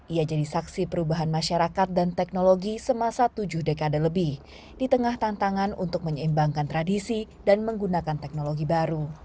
ia jadi saksi perubahan masyarakat dan teknologi semasa tujuh dekade lebih di tengah tantangan untuk menyeimbangkan tradisi dan menggunakan teknologi baru